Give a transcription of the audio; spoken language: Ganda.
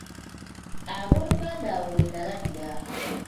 Ab'oluganda awo we nnalabira.